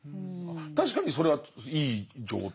確かにそれはいい状態。